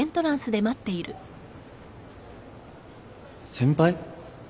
先輩？